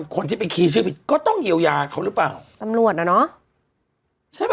เขาตกสอบกระไหว